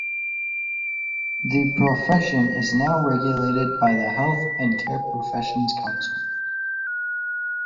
The profession is now regulated by the Health and Care Professions Council.